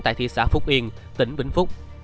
tại thị xã phúc yên tỉnh vĩnh phúc